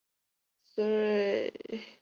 大花独蒜兰为兰科独蒜兰属下的一个种。